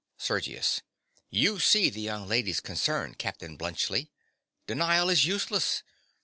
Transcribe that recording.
SERGIUS. You see the young lady's concern, Captain Bluntschli. Denial is useless.